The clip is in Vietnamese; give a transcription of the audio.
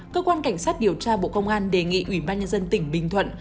cơ quan cảnh sát điều tra bộ công an đề nghị ủy ban nhân dân tỉnh bình thuận